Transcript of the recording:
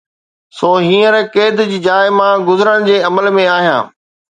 سو هينئر قيد جي جاءِ مان گذرڻ جي عمل ۾ آهيان